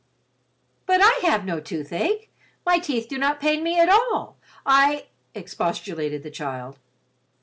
"But I have no toothache. My teeth do not pain me at all. I—" expostulated the child.